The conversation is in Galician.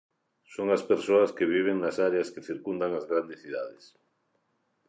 Son as persoas que viven nas áreas que circundan as grandes cidades.